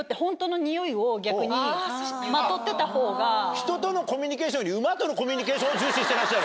人とのコミュニケーションより馬とのコミュニケーションを重視してらっしゃる？